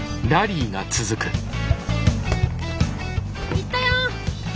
行ったよ。